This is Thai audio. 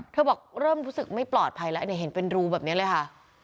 บอกเริ่มรู้สึกไม่ปลอดภัยแล้วเนี่ยเห็นเป็นรูแบบนี้เลยค่ะ